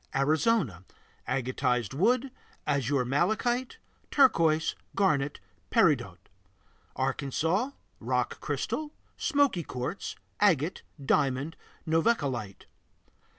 Arizona Agatized wood, azur malachite, turquoise, garnet, peridot. Arkansas Rock crystal, smoky quartz, agate, diamond, novaculite.